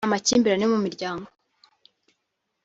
amakimbirane yo mu miryango